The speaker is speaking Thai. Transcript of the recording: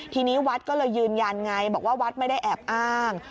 ทีนี้วัดก็เลยยืนยันไงบอกว่าวัดไม่ได้แอบอ้าง